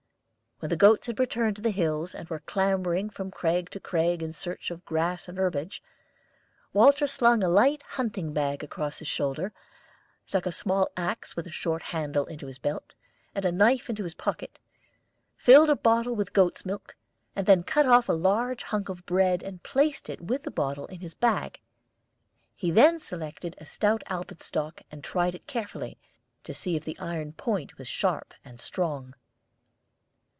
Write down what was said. When the goats had returned to the hills, and were clambering from crag to crag in search of grass and herbage, Walter slung a light hunting bag across his shoulder, stuck a small axe with a short handle into his belt, and a knife into his pocket, filled a bottle with goat's milk, and then cut off a large hunch of bread and placed it with the bottle in his bag. He then selected a stout alpenstock and tried it carefully, to see if the iron point was sharp and strong.